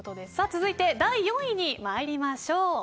続いて、第４位に参りましょう。